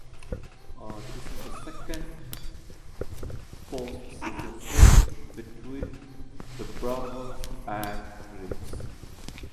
This is the second postseason meeting between the Braves and Reds.